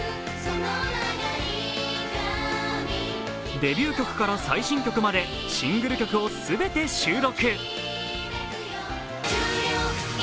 デビュー曲から最新曲までシングル曲を全て収録。